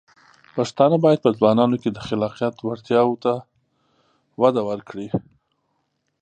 پښتانه بايد په ځوانانو کې د خلاقیت وړتیاوې وده ورکړي.